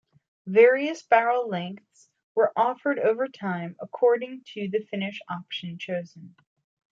Various barrel lengths were offered over time according to the finish option chosen.